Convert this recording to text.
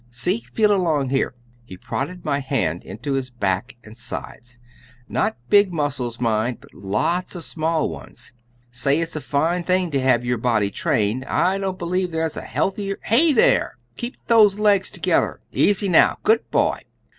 See, feel along here." He prodded my hand into his back and sides. "Not big muscles, mind, but lots of small ones. Say, it's a fine thing to have your body trained. I don't believe there's a healthier Hey, there! Keep those legs together. Easy now. Good boy!"